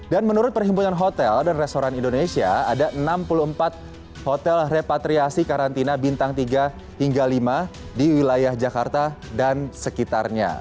dan menurut perhimpunan hotel dan restoran indonesia ada enam puluh empat hotel repatriasi karantina bintang tiga hingga lima di wilayah jakarta dan sekitarnya